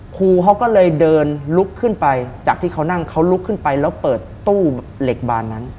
ครูเขาก็เลยเดินลุกขึ้นไปจากที่เขานั่งเขาลุกขึ้นไปแล้วเปิดตู้เหล็กบานนั้น